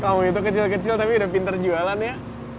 oh itu kecil kecil tapi udah pinter jualan ya